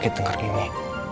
gue dateng kesini